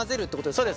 そうです。